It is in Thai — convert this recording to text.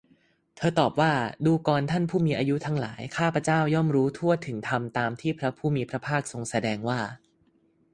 เธอตอบว่า ดูกรท่านผู้มีอายุทั้งหลาย ข้าพเจ้าย่อมรู้ทั่วถึงธรรมตามที่พระผู้มีพระภาคทรงแสดงว่า